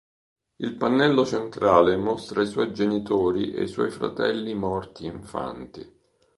Il pannello centrale mostra i suoi genitori e i suoi fratelli morti infanti.